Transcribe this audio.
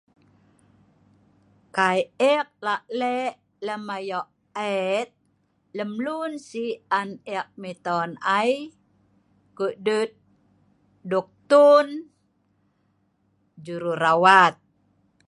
Kai ek lak lek lem ayo eet .lem lun si an ek miton ai kokdut duktun ngan jururawat